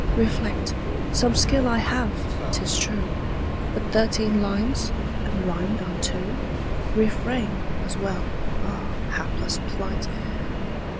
Reflect. Some skill I have, 'tis true; But thirteen lines! and rimed on two! "Refrain" as well. Ah, Hapless plight!